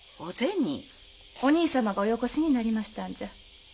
お兄様がおよこしになりましたんじゃ。